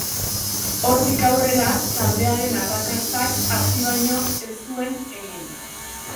Hortik aurrera, taldearen arrakastak hazi baino ez zuen egin.